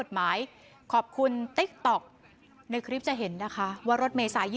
ถ้าพวกนู้นไม่รับก็เออรถคันนี้ไม่รับผู้โดยสารนะ